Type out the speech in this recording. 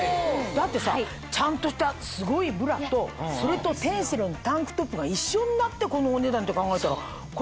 だってさちゃんとしたすごいブラとそれとテンセルのタンクトップが一緒になってこのお値段って考えたらこれはいい！